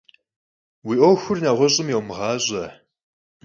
Vui 'Uexur neğueş'ım yiumığaş'e.